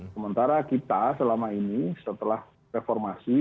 sementara kita selama ini setelah reformasi